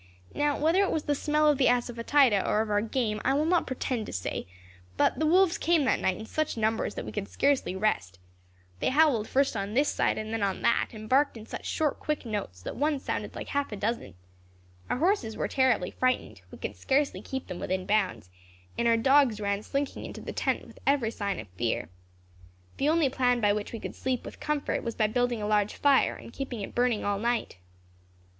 Now, whether it was the smell of the assafoetida or of our game, I will not pretend to say, but the wolves came that night in such numbers that we could scarcely rest. They howled first on this side and then on that, and barked in such short quick notes, that one sounded like half a dozen. Our horses were terribly frightened; we could scarcely keep them within bounds; and our dogs ran slinking into the tent with every sign of fear. The only plan by which we could sleep with comfort was by building a large fire, and keeping it burning all night."